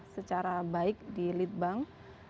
secara baik di lead bank